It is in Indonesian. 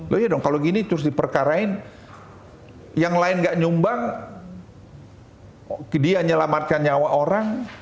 loh iya dong kalau gini terus diperkarain yang lain gak nyumbang dia nyelamatkan nyawa orang